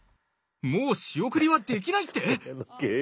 もう仕送りはできないって！？